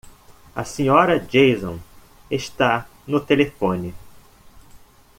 A Sra. Jason está no telefone.